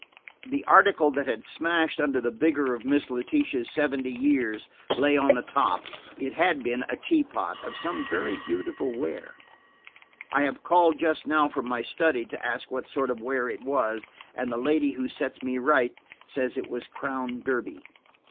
The article that had smashed under the vigor of Miss Letitia's seventy years lay on the top. It had been a tea pot, of some very beautiful ware. I have called just now from my study, to ask what sort of ware it was, and the lady who sets me right says it was Crown Derby.